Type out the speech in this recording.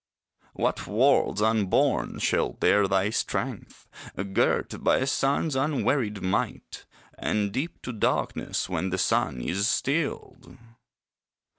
What worlds unborn shall dare thy strength, Girt by a sun's unwearied might, And dip to darkness when the sun is stilled!